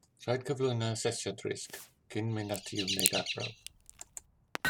Rhaid cyflwyno asesiad risg cyn mynd ati i wneud arbrawf